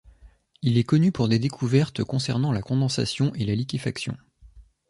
Il est connu pour des découvertes concernant la condensation et la liquéfaction.